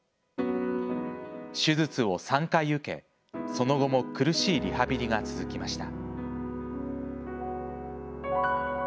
手術を３回受け、その後も苦しいリハビリが続きました。